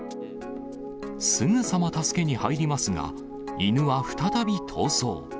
すぐさま助けに入りますが、犬は再び逃走。